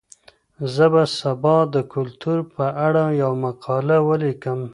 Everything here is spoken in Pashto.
زه به سبا د کلتور په اړه یوه مقاله ولیکم.